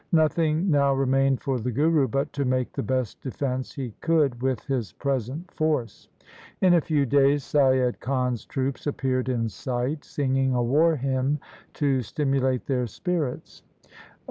Nothing now remained for the Guru but to make the best defence he could with his present force. In a few days Saiyad Khan's troops appeared in sight singing a war hymn to stimulate their spirits.